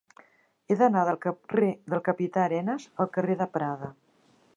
He d'anar del carrer del Capità Arenas al carrer de Prada.